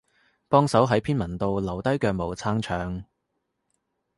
幫手喺篇文度留低腳毛撐場